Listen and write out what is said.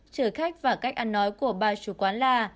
chửi khách và cách ăn nói của bà chủ quán là